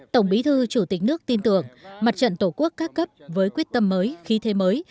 tổng bí thư chủ tịch nước tin tưởng mặt trận tổ quốc các cấp với quyết tâm mới khí thế mới